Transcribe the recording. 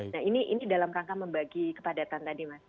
nah ini dalam rangka membagi kepadatan tadi mas